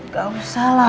nggak usah lah mas